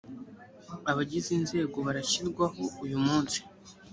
abagize inzego barashyirwaho uyumunsi.